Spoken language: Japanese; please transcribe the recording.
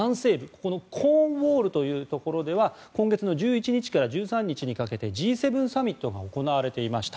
ここのコーンウォールというところでは今月の１１日から１３日にかけてＧ７が行われていました。